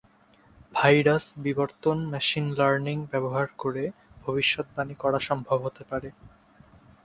Virus বিবর্তন machine learning ব্যবহার করে ভবিষ্যদ্বাণী করা সম্ভব হতে পারে।